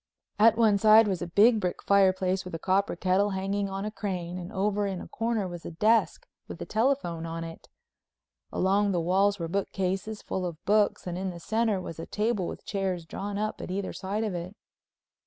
At one side was a big brick fireplace with a copper kettle hanging on a crane and over in a corner was a desk with a telephone on it. Along the walls were bookcases full of books and in the center was a table with chairs drawn up at either side of it.